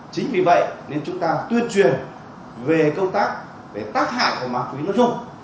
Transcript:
chính vì vậy nên chúng ta tuyên truyền về công tác về tác hại của ma túy nội dung